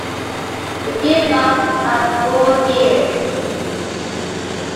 The gearbox had four gears.